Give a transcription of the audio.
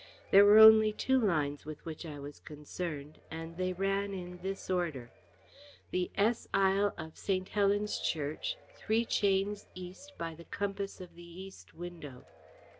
There were only two lines with which I was concerned, and they ran in this order: "The S aisle of St. Helen's Church. Three chains east by the compass of the east window."